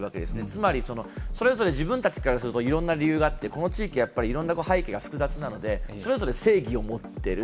つまりそれぞれ自分たちからするといろんな理由があってこの地域はいろんな背景が複雑なので、それぞれ正義を持っている。